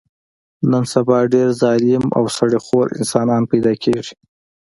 نن سبا ډېر ظالم او سړي خور انسانان پیدا کېږي.